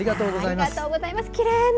ありがとうございます。